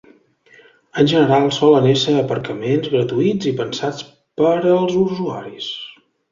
En general solen ésser aparcaments gratuïts i pensats per als usuaris.